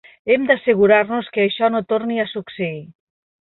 Hem de assegurar-nos que això no torni a succeir.